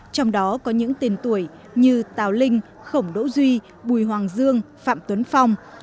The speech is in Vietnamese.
trong đó có những tên tuổi như tào linh khổng đỗ duy bùi hoàng dương phạm tuấn phong